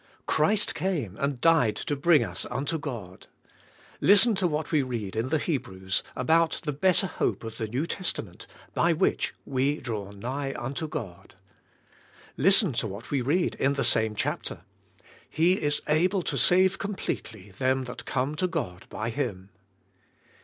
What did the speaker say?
Christ came and died to bring us unto God. Listen to what we read in the Hebrews, about the better hope of the New Testa ment "by which we draw nigh unto Gody Listen to what we read in the same chapter, * *He is able to save completely them that come to God by Him."